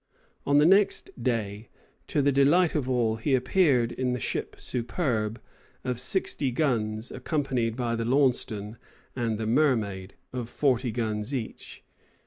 On the next day, to the delight of all, he appeared in the ship "Superbe," of sixty guns, accompanied by the "Launceston" and the "Mermaid," of forty guns each.